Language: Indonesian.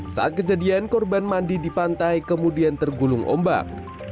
saat kejadian korban mandi di pantai kemudian tergulung ombak